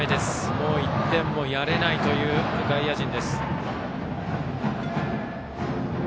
もう１点もやれないという外野陣。